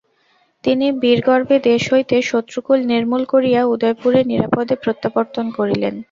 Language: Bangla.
তিনি বীরগর্বে দেশ হইতে শত্রুকুল নির্মূল করিয়া উদয়পুরে নিরাপদে প্রত্যাবর্তন করিলেন।